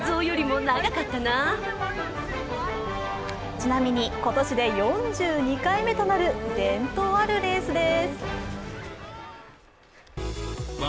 ちなみに、今年で４２回目となる伝統あるレースです。